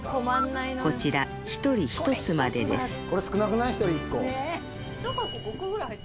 こちら１人１つまでです箱で？